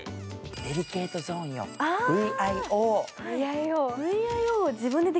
デリケートゾーンよ、ＶＩＯ。